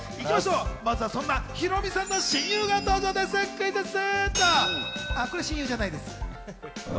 まずはそんなヒロミさんの親友が登場です、クイズッス！